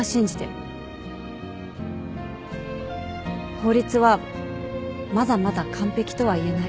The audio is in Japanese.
法律はまだまだ完璧とはいえない。